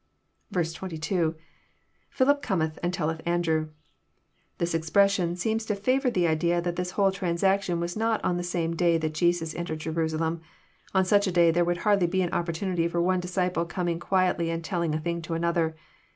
22. — IPhilip Cometh and telleth Andrew,'} This expression seems to favour the idea that this whole transaction was not on the same day that Jesus entered Jerusalem. On such a day there would hardly be an opportunity for one disciple coming quietly and telling a thing to another.